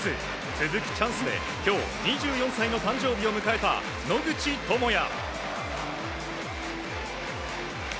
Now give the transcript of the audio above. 続くチャンスで今日２４歳の誕生日を迎えた野口智哉。